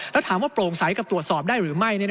แล้วถามว่าโปร่งใสกับตรวจสอบได้หรือไม่